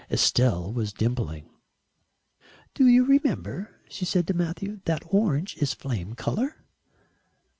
Estelle was dimpling. "Do you remember," she said to Matthew, "that orange is flame colour?"